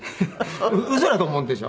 ウソだと思うんでしょ？